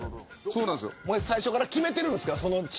最初から決めてるんですか。